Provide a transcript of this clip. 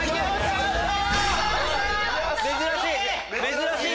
珍しい！